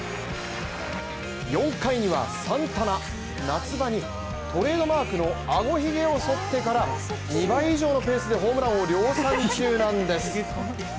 ４回にはサンタナ、夏場にトレードマークのあごひげをそってから２倍以上のペースでホームランを量産中なんです。